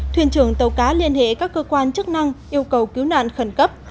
thuyền trưởng tàu cá liên hệ các cơ quan chức năng yêu cầu cứu nạn khẩn cấp